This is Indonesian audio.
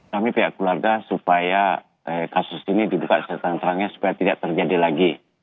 kami pihak keluarga supaya kasus ini dibuka seterang terangnya supaya tidak terjadi lagi